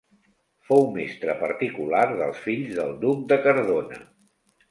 Fou mestre particular dels fills del Duc de Cardona.